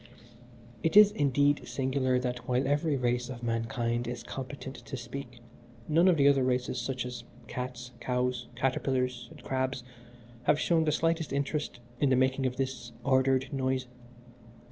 "It is indeed singular that while every race of mankind is competent to speak, none of the other races, such as cats, cows, caterpillars, and crabs, have shown the slightest interest in the making of this ordered noise.